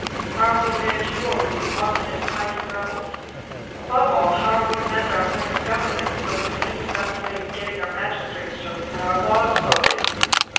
How are we to manage the war with those obstinate Pisan rebels? Above all, how are we to mend our plan of government, so as to hit on the best way of getting our magistrates chosen and our laws voted?"